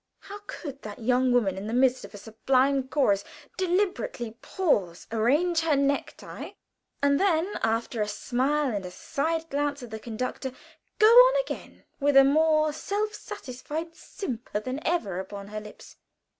How could that young woman, in the midst of a sublime chorus, deliberately pause, arrange the knot of her neck tie, and then, after a smile and a side glance at the conductor, go on again with a more self satisfied simper than ever upon her lips?